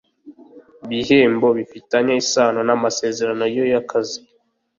Bihembo bifitanye isano n’ amasezerano yo yakazi